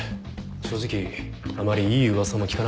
正直あまりいい噂も聞かなかったし。